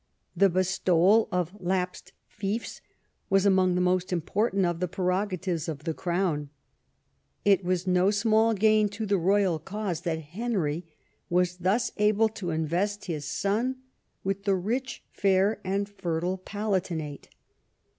The bestowal of lapsed fiefs was among the most important of the prerogatives of the Crown. It was no small gain to the royal cause that Henry was thus able to invest his son with the rich, fair, and fertile Palatinate.